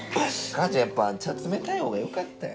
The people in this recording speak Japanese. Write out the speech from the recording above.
母ちゃんやっぱ茶冷たいほうがよかったよ。